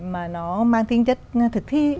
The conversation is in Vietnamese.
mà nó mang tinh chất thực thi